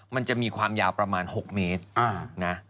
มันจะมีความยาวประมาณ๖เมตรนะ